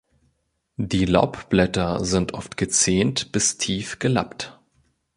Die Laubblätter sind oft gezähnt bis tief gelappt.